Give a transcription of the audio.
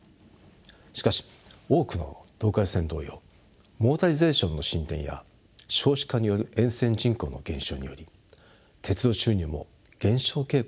しかし多くのローカル線同様モータリゼーションの進展や少子化による沿線人口の減少により鉄道収入も減少傾向にあります。